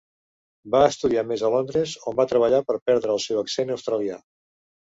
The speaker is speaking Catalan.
Va estudiar més a Londres, on va treballar per perdre el seu accent australià.